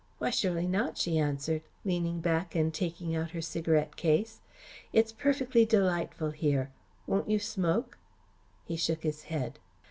"Why, surely not," she answered, leaning back and taking out her cigarette case. "It's perfectly delightful here. Won't you smoke?" He shook his head.